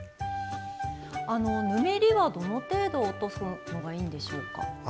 ぬめりは、どの程度落とすのがいいんでしょうか？